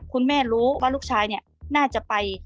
คุณแม่รู้ว่าลูกชายเนี่ยน่าจะไป